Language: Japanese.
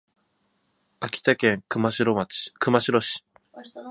秋田県能代市